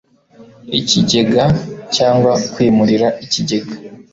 ikigega cyangwa kwimurira ikigega